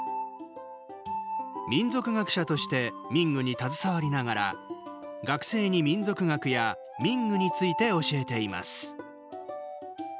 民俗学者として民具に携わりながら学生に民俗学や民具について教えています。